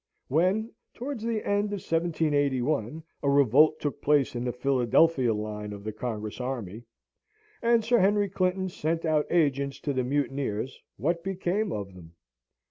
When, towards the end of 1781, a revolt took place in the Philadelphia Line of the Congress Army, and Sir Henry Clinton sent out agents to the mutineers, what became of them?